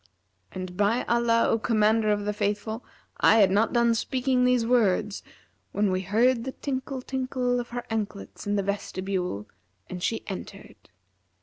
And by Allah, O Commander of the Faithful, I had not done speaking these words, when we heard the tinkle tinkle of her anklets in the vestibule and she entered.